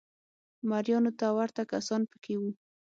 مریانو ته ورته کسان په کې وو